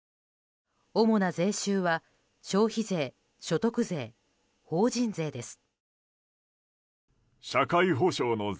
主な税収は消費税、所得税、法人税です。